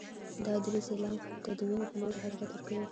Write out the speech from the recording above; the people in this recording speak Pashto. دا دریڅې لمف ته د وینې په لوري حرکت ورکوي.